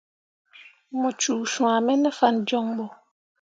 Mu cuu swãme ne fan joŋ bo.